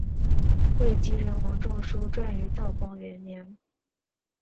会稽人王仲舒撰于道光元年。